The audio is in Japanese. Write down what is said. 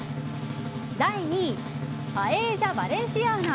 第２位パエージャバレンシアーナ。